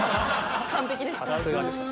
完璧でした？